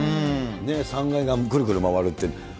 ３階がぐるぐる回るって。